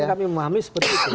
jadi kan kami memahami seperti itu